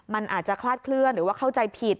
มันอาจจะคลาดเคลื่อนหรือว่าเข้าใจผิด